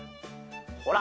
ほら！